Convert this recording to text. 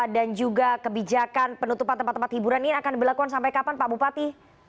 dan juga kebijakan penutupan tempat tempat hiburan ini akan berlakuan sampai kapan pak bupati